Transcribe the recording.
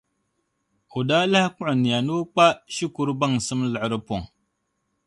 O daa lahi kpuɣi niya ni o kpa shikuru baŋsim liɣiri pɔŋ.